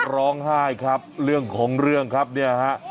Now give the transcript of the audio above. ร้องไห้ครับเรื่องของเรื่องครับเนี่ยฮะ